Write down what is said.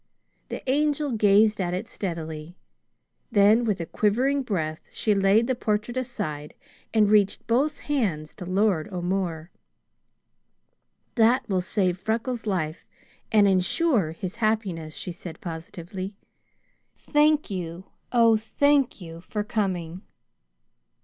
The Angel gazed at it steadily. Then with a quivering breath she laid the portrait aside and reached both hands to Lord O'More. "That will save Freckles' life and insure his happiness," she said positively. "Thank you, oh thank you for coming!"